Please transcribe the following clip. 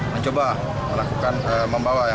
mencoba melakukan perbuatan